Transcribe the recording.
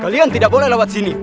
kalian tidak boleh lewat sini